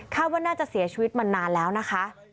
ว่าน่าจะเสียชีวิตมานานแล้วนะคะ